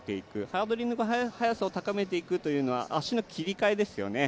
ハードリングの速さを高めていくというのは足の切り替えですよね